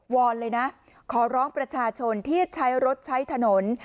อนเลยนะขอร้องประชาชนที่ใช้รถใช้ถนน